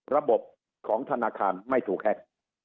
ระบบของธนาคารไม่ถูกแฮ็ก